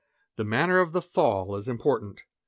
The manner of the fall is important.